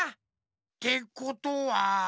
ってことは。